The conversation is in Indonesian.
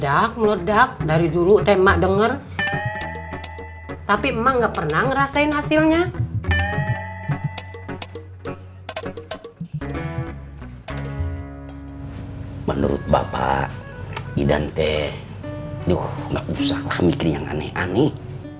amat plastik sih